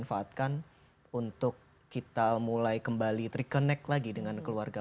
ini bisa dimanfaatkan untuk kita mulai kembali reconnect lagi dengan keluarga